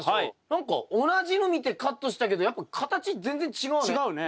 何か同じの見てカットしたけどやっぱ形全然違うね。